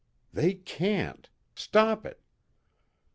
_They can't! Stop it!